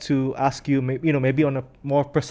tapi saya juga ingin bertanya kepada anda